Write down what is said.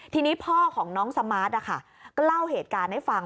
ทีนี้พ่อของน้องสมาร์ทก็เล่าเหตุการณ์ให้ฟัง